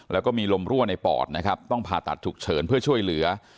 แล้วก็มีลมรั่วในปอดนะครับต้องผ่าตัดฉุกเฉินเพื่อช่วยเหลือ